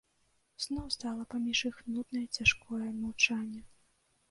Зноў стала паміж іх нуднае цяжкое маўчанне.